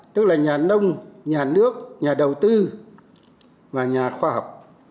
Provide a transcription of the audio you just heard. tức là nhà nông nhà nước nhà đầu tư và nhà khoa học